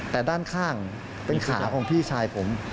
แต่ด้านข้างเป็นขาของพี่ชายผม